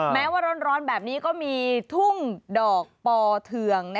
แม้ว่าร้อนแบบนี้ก็มีทุ่งดอกปอเทือง